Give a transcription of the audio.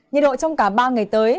nhiệt độ trong cả ba ngày tới